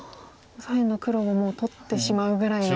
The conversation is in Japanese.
左辺の黒をもう取ってしまうぐらいの。